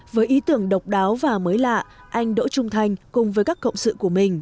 với ý tưởng độc đáo và mới lạ anh đỗ trung thanh cùng với các cộng sự của mình